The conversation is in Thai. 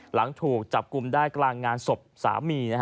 หลังถูกจับกลุ่มได้กลางงานศพสามี